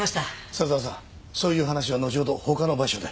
佐沢さんそういう話は後ほど他の場所で。